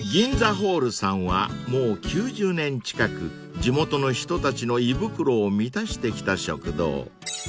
［もう９０年近く地元の人たちの胃袋を満たしてきた食堂］